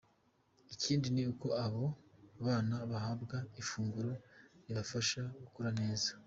Ikindi ni uko abo bana bahabwa ifunguro ribafasha gukura neza.